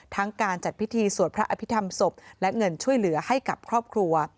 การจัดพิธีสวดพระอภิษฐรรมศพและเงินช่วยเหลือให้กับครอบครัว